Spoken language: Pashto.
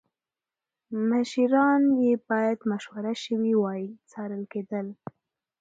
مشیران چې باید مشوره شوې وای څارل کېدل